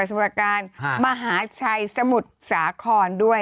สุรการมหาชัยสมุทรสาครด้วย